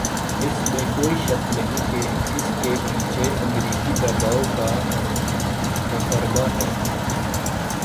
اس میں کوئی شک نہیں کہ اس کے پیچھے امریکی دبائو کارفرما ہے۔